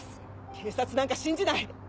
警察なんか信じない。